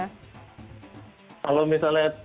kalau misalnya berkunjunglah ke jepang